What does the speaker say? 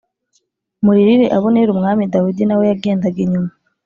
muririre Abuneri Umwami Dawidi na we yagendaga inyuma